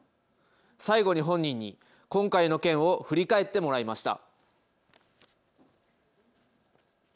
最後に本人に今回の件を振り返ってもらいました。